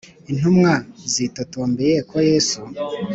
Intumwa zitotombeye ko yesu